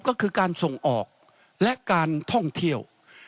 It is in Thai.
ก็คือการส่งออกและการท่องเที่ยว